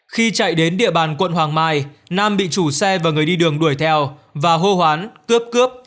khi chạy đến địa bàn quận hoàng mai nam bị chủ xe và người đi đường đuổi theo và hô hoán cướp cướp